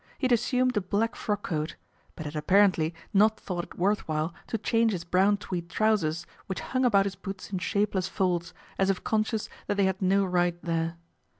He had assumed a black frock coat ; but had apparently not thought it worth while to change his brown tweed trousers, which hung about his boots in shapeless folds, as if conscious that they had no right there.